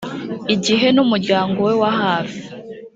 igihe n umuryango we wa hafi